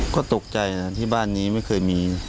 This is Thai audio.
ก็ตกใจนะที่บ้านนี้ไม่เคยมี